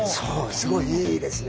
すごいいいですね。